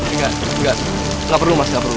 enggak enggak nggak perlu mas nggak perlu